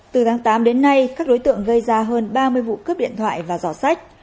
từ tháng tám đến nay các đối tượng gây ra hơn ba mươi vụ cướp điện thoại và giỏ sách